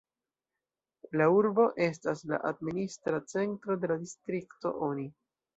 La urbo estas la administra centro de la distrikto Oni.